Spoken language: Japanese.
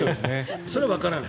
それはわからない。